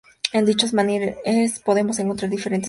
En dichos menhires podemos encontrar diferentes grabados.